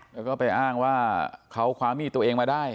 แล้วก็ไปอ้างว่าเขาคว้ามีดตัวเองมาได้